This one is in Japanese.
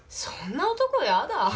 そんな男やだ。